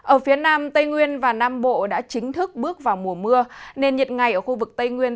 ở phía nam tây nguyên và nam bộ đã chính thức bước vào mùa mưa nên nhiệt ngày ở khu vực tây nguyên